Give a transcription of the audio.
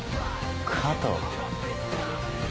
加藤。